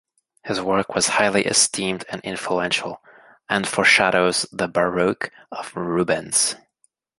His work was highly esteemed and influential, and foreshadows the Baroque of Rubens.